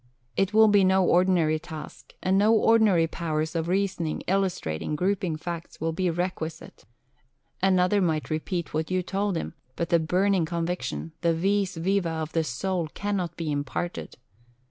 It will be no ordinary task; and no ordinary powers of reasoning, illustrating, grouping facts will be requisite. Another might repeat what you told him, but the burning conviction, the vis viva of the soul cannot be imparted....